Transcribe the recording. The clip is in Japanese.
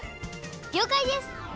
りょうかいです！